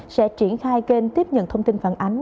sẽ triển khai kênh tiếp nhận thông tin phản ánh